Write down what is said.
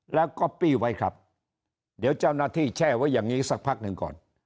แล้วก็ปี้ไว้ครับเดี๋ยวเจ้าหน้าที่แช่ไว้อย่างนี้สักพักหนึ่งก่อน